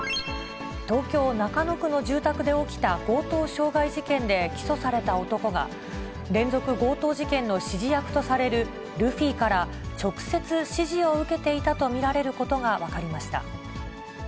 東京・中野区の住宅で起きた強盗傷害事件で起訴された男が、連続強盗事件の指示役とされるルフィから、直接指示を受けていたと見られることが分かりました。